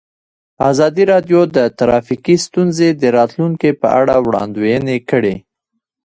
ازادي راډیو د ټرافیکي ستونزې د راتلونکې په اړه وړاندوینې کړې.